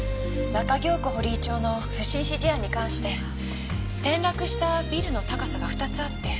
中京区堀井町の不審死事案に関して転落したビルの高さが２つあって。